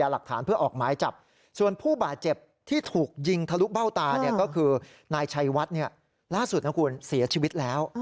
ล่าสุดนะคุณเสียชีวิตแล้ว